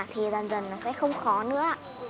thì dần dần nó sẽ không khó nữa ạ